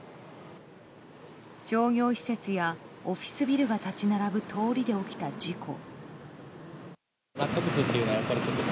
商業施設やオフィスビルが立ち並ぶ通りで起きた事故。